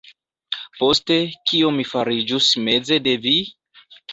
Poste kio mi fariĝus meze de vi?